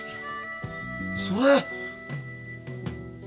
それ。